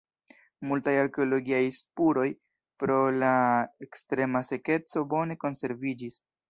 Multaj arkeologiaj spuroj pro la ekstrema sekeco bone konserviĝis.